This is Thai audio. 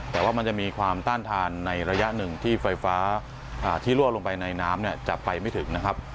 แต่ว่ามันจะมีความต้านทานในระยะหนึ่งที่ไฟฟ้าที่รั่วลงไปในน้ำเนี่ยจับไฟไม่ถึงนะครับ